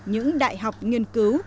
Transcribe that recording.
những đại học nghiên cứu